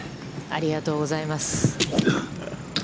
ありがとうございます。